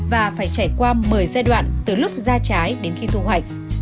và phải trải qua một mươi giai đoạn từ lúc ra trái đến khi thu hoạch